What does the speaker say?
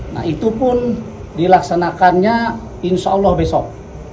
nah itu pun dilaksanakannya insya allah besok